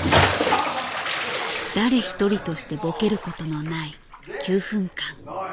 誰一人としてボケることのない９分間。